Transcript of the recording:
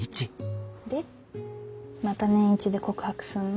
また年１で告白すんの？